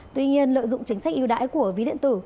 tuy nhiên lợi dụng chính sách yêu đãi của ví điện tử